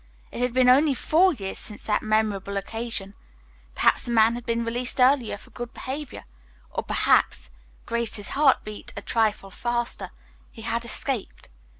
It had been only four years since that memorable occasion. Perhaps the man had been released earlier for good behavior, or perhaps Grace's heart beat a trifle faster he had escaped.